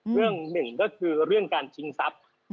เรื่องหนึ่งก็คือเรื่องการชิงทรัพย์